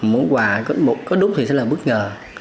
mỗi quà có đút thì sẽ là bất ngờ